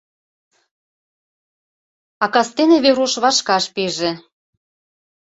А кастене Веруш вашкаш пиже: